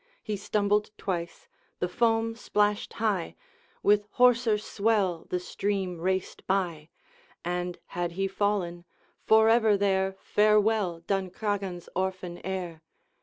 He stumbled twice, the foam splashed high, With hoarser swell the stream raced by; And had he fallen, forever there, Farewell Duncraggan's orphan heir!